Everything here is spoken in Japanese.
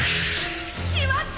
しまった！